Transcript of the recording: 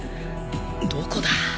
どこだ？